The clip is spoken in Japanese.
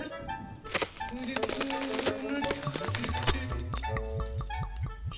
それでこうなってて。